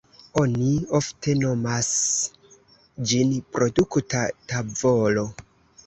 Oni ofte nomas ĝin produkta tavolo.